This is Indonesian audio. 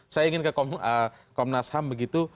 saya ingin ke komnas ham begitu